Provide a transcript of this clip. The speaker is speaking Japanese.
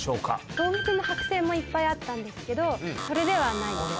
動物のはく製もいっぱいあったんですけどそれではないです。